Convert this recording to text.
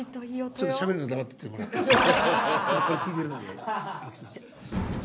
ちょっとしゃべるの黙っててもらっていいですか。